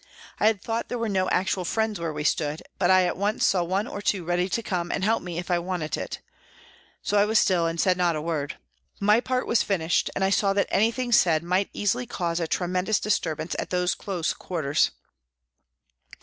I had thought there were no actual friends where we stood, but I at once saw one or two ready to come and help me if I wanted it. So I was still and said not a word. My part was finished, and I saw that anything said might easily cause a tremendous disturbance at those close quarters.